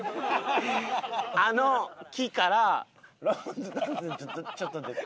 あの木からロボットダンスでちょっと出て。